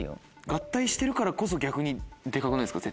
合体してるからこそ逆にデカくないですか？